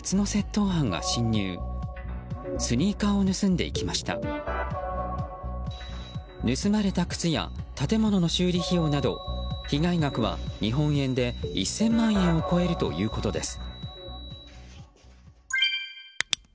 盗まれた靴や建物の修理費用など被害額は日本円で１０００万円を超えるということです。